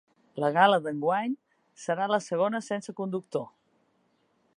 La gala d’enguany serà la segona sense conductor.